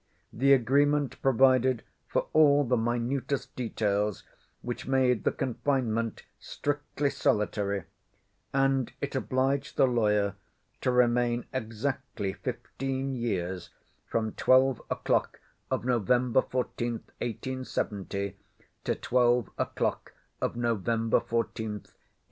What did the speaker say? The agreement provided for all the minutest details, which made the confinement strictly solitary, and it obliged the lawyer to remain exactly fifteen years from twelve o'clock of November 14th, 1870, to twelve o'clock of November 14th, 1885.